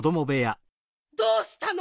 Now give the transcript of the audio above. どうしたの？